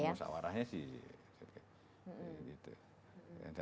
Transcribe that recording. ya kalau musyawarahnya sih